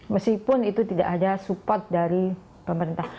meskipun itu tidak ada support dari pemerintah